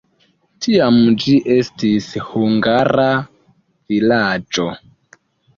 Tiam ĝi estis hungara vilaĝo.